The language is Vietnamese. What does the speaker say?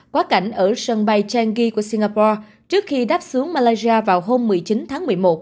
quá cảnh ở sân bay changi của singapore trước khi đáp xuống malaysia vào hôm một mươi chín tháng một mươi một